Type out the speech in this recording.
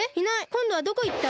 こんどはどこいった？